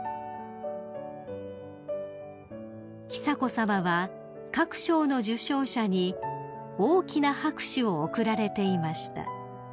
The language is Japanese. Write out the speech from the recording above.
［久子さまは各賞の受賞者に大きな拍手を送られていました］